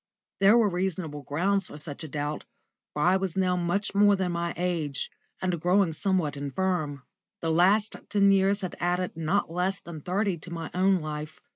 There were reasonable grounds for such a doubt, for I was now much more than my age, and growing somewhat infirm. The last ten years had added not less than thirty to my own life.